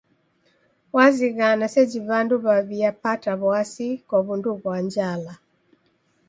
Wazighana seji w'andu w'aw'iapata w'asi kwa w'undu ghwa njala.